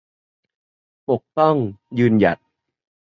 ปกป้อง ยืนหยัด